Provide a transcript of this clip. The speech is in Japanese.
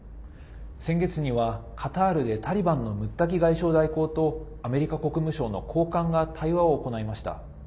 先月には、カタールでタリバンのムッタキ外相代行とアメリカ国務省の高官が対話を行いました。